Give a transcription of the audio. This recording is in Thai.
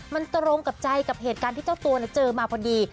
มันตรงกับใจกับเหตุการณ์ที่เจ้าตัวเจอมาพอดี